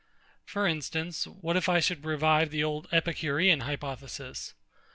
For instance, what if I should revive the old EPICUREAN hypothesis?